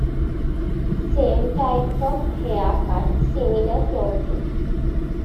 Same type of haircut, similar clothing.